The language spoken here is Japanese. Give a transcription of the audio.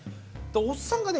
おっさんがね